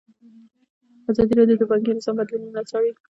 ازادي راډیو د بانکي نظام بدلونونه څارلي.